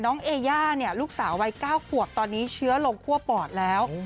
น้องเอญ่าเนี่ยลูกสาววัย๙ขวบตอนนี้เชื้อลงพว่ปอดแล้ว